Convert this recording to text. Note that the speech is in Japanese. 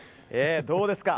どうですか。